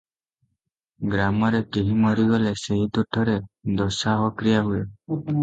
ଗ୍ରାମରେ କେହି ମରିଗଲେ ସେହି ତୁଠରେ ଦଶାହକ୍ରିୟା ହୁଏ ।